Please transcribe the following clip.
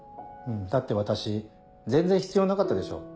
だって私全然必要なかったでしょ。